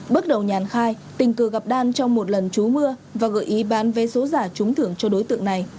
bước đầu nhàn khai tình cờ gặp đan trong một lần chú mưa và gợi ý bán vé số giả trúng thưởng cho đối tượng này